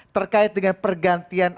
terkait dengan pergantian